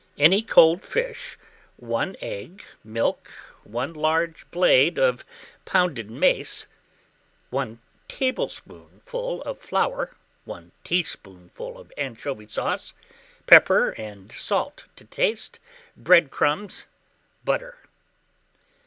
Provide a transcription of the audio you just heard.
Any cold fish, 1 egg, milk, 1 large blade of pounded mace, 1 tablespoonful of flour, 1 teaspoonful of anchovy sauce, pepper and salt to taste, bread crumbs, butter.